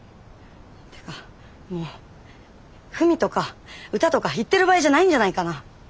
てかもう文とか歌とか言ってる場合じゃないんじゃないかな。